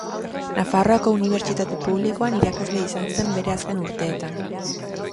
Nafarroako Unibertsitate Publikoan irakasle izan zen bere azken urteetan.